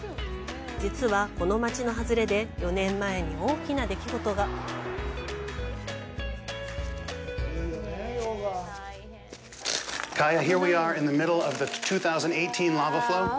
実は、この街の外れで４年前に大きな出来事がワーォ。